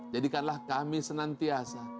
jadikanlah kami senantiasa